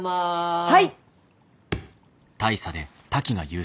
はい！